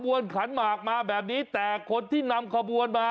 ขันหมากมาแบบนี้แต่คนที่นำขบวนมา